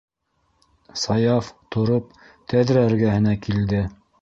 Саяф, тороп, тәҙрә эргәһенә килде.